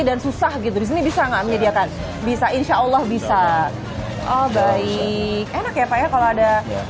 dan susah gitu disini bisa nggak menjadikan bisa insya allah bisa oh baik enak ya pak ya kalau ada